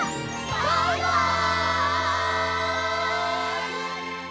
バイバイ！